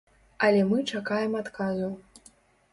Але мы чакаем адказу.